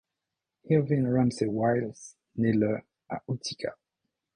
Irving Ramsey Wiles naît le à Utica.